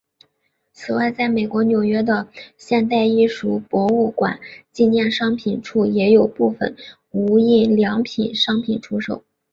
此外在美国纽约的现代艺术博物馆纪念商品处也有部份无印良品商品出售。